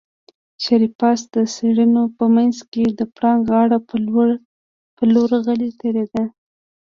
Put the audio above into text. شريف پاس د څېړيو په منځ کې د پړانګ غار په لور غلی تېرېده.